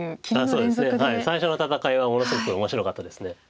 そうですね最初の戦いはものすごく面白かったです。